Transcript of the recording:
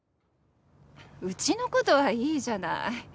うちの事はいいじゃない。